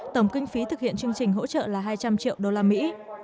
tổng kinh phí thực hiện chương trình hỗ trợ là hai trăm linh triệu đô la mỹ